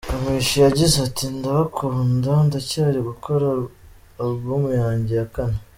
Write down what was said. Kamichi yagize ati “ Ndabakunda, ndacyari gukora kuri Album yanjye ya kane.